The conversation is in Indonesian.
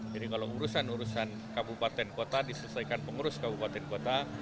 jadi kalau urusan urusan kabupaten kota diselesaikan pengurus kabupaten kota